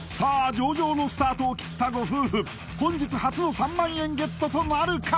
上々のスタートを切ったご夫婦本日初の３万円ゲットとなるか？